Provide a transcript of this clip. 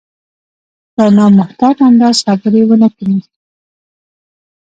په نامحتاط انداز خبرې ونه کړي.